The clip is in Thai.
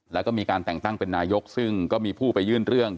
แล้วก็มีการแต่งตั้งเป็นนายกซึ่งก็มีผู้ไปยื่นเรื่อง